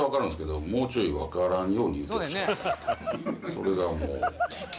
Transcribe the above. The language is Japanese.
それがもう。